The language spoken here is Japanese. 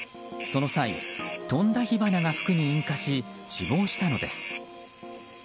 その際、飛んだ火花が服に引火し死亡したのです。